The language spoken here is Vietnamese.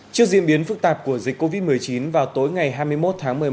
trước diễn biến phức tạp của dịch covid một mươi chín vào tối ngày hai mươi một tháng một mươi một